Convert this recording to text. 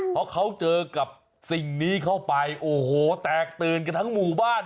เพราะเขาเจอกับสิ่งนี้เข้าไปโอ้โหแตกตื่นกันทั้งหมู่บ้าน